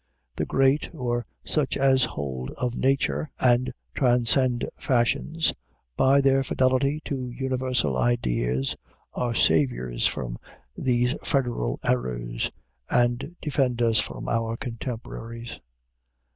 The great, or such as hold of nature, and transcend fashions, by their fidelity to universal ideas, are saviors from these federal errors, and defend us from our contemporaries.